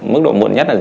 mức độ muộn nhất là gì